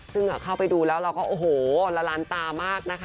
ซึ่งเข้าไปดูแล้วเราก็โอ้โหละลานตามากนะคะ